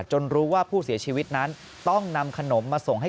รู้ว่าผู้เสียชีวิตนั้นต้องนำขนมมาส่งให้